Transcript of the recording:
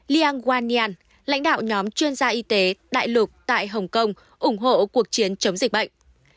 liangwanian lãnh đạo nhóm chuyên gia y tế đại lục tại hồng kông ủng hộ cuộc chiến chống dịch bệnh